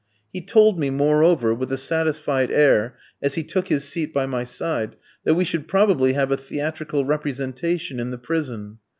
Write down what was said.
He told me, moreover, with a satisfied air, as he took his seat by my side, that we should probably have a theatrical representation in the prison.